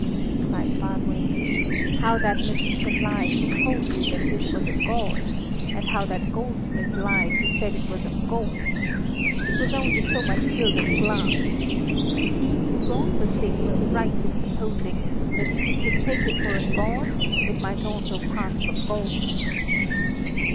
cried Bar Noemi, "how that magian lied who told you that this was a god, and how that goldsmith lied who said it was of gold! It was only so much gilded glass. He who wrought the thing was right in supposing that if you could take it for a god, it might also pass for gold!"